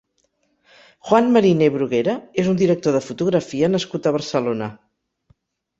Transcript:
Juan Mariné Bruguera és un director de fotografia nascut a Barcelona.